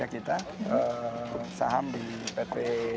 adalah saham di pt